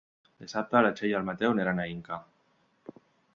Dissabte na Txell i en Mateu iran a Inca.